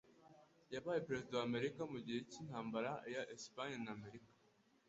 Yabaye perezida wa Amerika mugihe cy'intambara ya Espagne na Amerika